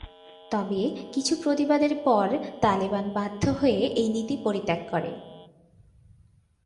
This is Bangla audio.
তবে কিছু প্রতিবাদের পর তালেবান বাধ্য হয়ে এই নীতি পরিত্যাগ করে।